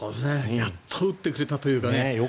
やっと打ってくれたというかね。